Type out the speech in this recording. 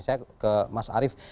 saya ke mas arief